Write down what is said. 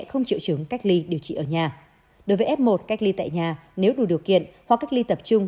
không triệu chứng cách ly điều trị ở nhà đối với f một cách ly tại nhà nếu đủ điều kiện hoặc cách ly tập trung